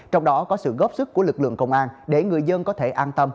trong đó có sự góp sức của lực lượng công an để người dân có thể an tâm